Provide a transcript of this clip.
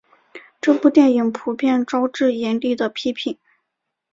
这部电影普遍招致严厉的批评。